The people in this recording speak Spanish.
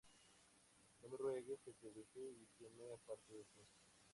No me ruegues que te deje, y que me aparte de ti: